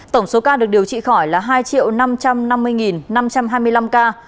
tổng số ca được điều trị khỏi là hai năm trăm năm mươi năm trăm hai mươi năm ca